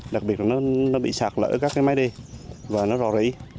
đặc biệt là nó bị sạt lỡ các cái máy đê và nó rò rỉ